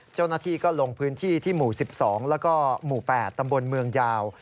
เจ้าหน้าที่ก็ลงพื้นที่ที่หมู่๑๒แล้วก็หมู่๘ตำบลเมืองยาว